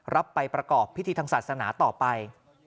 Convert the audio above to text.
รับไปประกอบพิธีทางศาสนาต่อไป